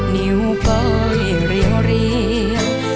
นิ้วก่อเลี่ยงเรียงเรียง